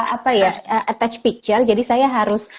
apa ya attach picture jadi saya harus